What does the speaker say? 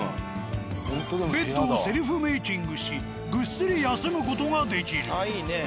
ベッドをセルフメイキングしぐっすり休む事ができる。